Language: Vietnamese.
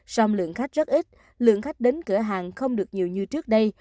song lượng khách rất ít lượng khách đến cửa hàng không được nhiều như trước đây